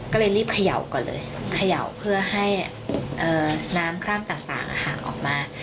ก็เลยรีบเขย่าก่อนเลยเขย่าเพื่อให้น้ำคราบต่างห่างออกมา